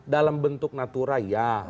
dalam bentuk natura ya